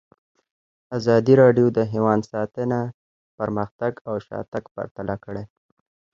ازادي راډیو د حیوان ساتنه پرمختګ او شاتګ پرتله کړی.